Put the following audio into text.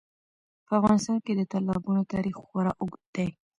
په افغانستان کې د تالابونو تاریخ خورا اوږد دی.